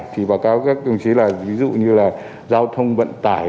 thì báo cáo các đồng chí là ví dụ như là giao thông vận tải